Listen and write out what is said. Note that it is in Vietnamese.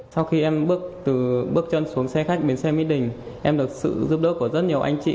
sau khi em bước chân xuống xe khách bến xe mỹ đình em được sự giúp đỡ của rất nhiều anh chị